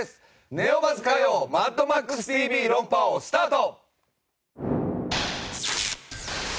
ネオバズ火曜『マッドマックスＴＶ論破王』スタート！